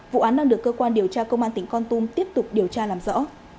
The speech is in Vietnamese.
vụ án đang được cơ quan điều tra công an tỉnh con tum tiếp tục điều tra làm rõ